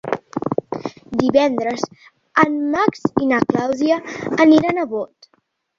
Divendres en Max i na Clàudia aniran a Bot.